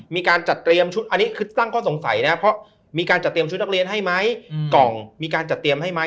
มีการจัดเตรียมชุดนักเรียนให้ไหมกล่องมีการจัดเตรียมให้ไหม